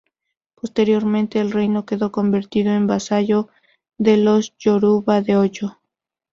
Posteriormente, el reino quedó convertido en vasallo de los yoruba de Oyo.